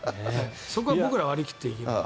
そこは僕ら、割り切って。